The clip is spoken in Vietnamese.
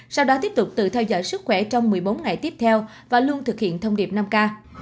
sau đó tiếp tục tự theo dõi sức khỏe trong một mươi bốn ngày tiếp theo và luôn thực hiện thông điệp năm k